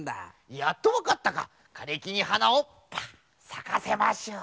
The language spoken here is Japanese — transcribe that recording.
やっとわかったか。かれきにはなをパアーさかせましょう。